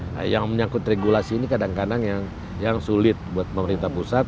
nah yang menyangkut regulasi ini kadang kadang yang sulit buat pemerintah pusat